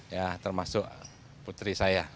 ya termasuk putri saya